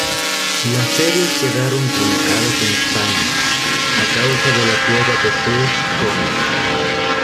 Las series quedaron truncadas en España, a causa de la quiebra de First comics.